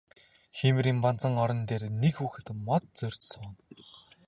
Хоймрын банзан орон дээр нэг хүүхэд мод зорьж сууна.